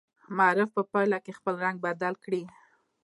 معرف په پایله کې خپل رنګ بدل کړي.